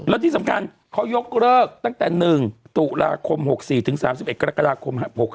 และที่สำคัญเขายกเลิกตั้งแต่๑ตุลาคม๖๔ถึง๓๑กรกฎาคม๖๖